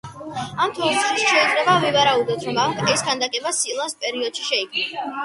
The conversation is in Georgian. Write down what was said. ამ თვალსაზრისით შეიძლება ვივარაუდოთ, რომ ეს ქანდაკება სილას პერიოდში შეიქმნა.